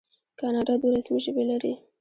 کاناډا دوه رسمي ژبې لري.